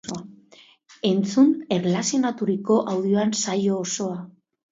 Entzun erlazionaturiko audioan saio osoa!